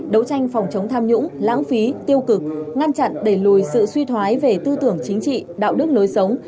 đấu tranh phòng chống tham nhũng lãng phí tiêu cực ngăn chặn đẩy lùi sự suy thoái về tư tưởng chính trị đạo đức lối sống